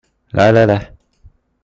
來來來